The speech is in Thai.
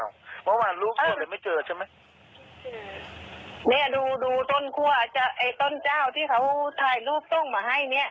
เมื่อวานรูปส่วนเดียวไม่เจอใช่มั้ยไม่เจอเนี้ยดูดูต้นคั่วจะไอ้ต้นเจ้าที่เขาถ่ายรูปต้นมาให้เนี้ย